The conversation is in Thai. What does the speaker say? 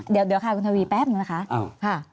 เดี๋ยวค่ะคุณทวีแป๊บนึงนะคะ